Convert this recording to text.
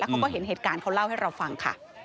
เขาก็เห็นเหตุการณ์เขาเล่าให้เราฟังค่ะ